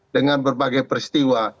dengan berbagai peristiwa